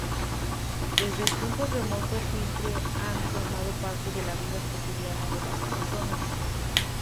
Desde tiempos remotos siempre han formado parte de la vida cotidiana de las personas.